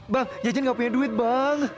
bang ya jen gak punya duit bang